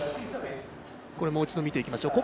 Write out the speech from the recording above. もう一度見ていきます。